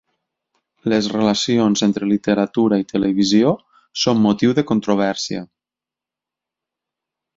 Les relacions entre literatura i televisió són motiu de controvèrsia.